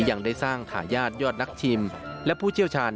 ยังได้สร้างทายาทยอดนักชิมและผู้เชี่ยวชาญ